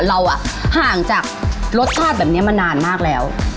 เราห่างจากรสชาติแบบนี้มานานมากแล้ว